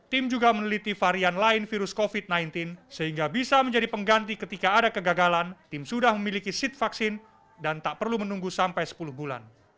tim juga meneliti varian lain virus covid sembilan belas sehingga bisa menjadi pengganti ketika ada kegagalan tim sudah memiliki seat vaksin dan tak perlu menunggu sampai sepuluh bulan